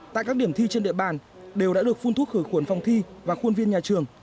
tại các điểm thi trên địa bàn đều đã được phun thuốc khử khuẩn phòng thi và khuôn viên nhà trường